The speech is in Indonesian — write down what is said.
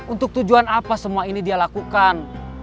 untuk tujuan apa semua ini dia lakukan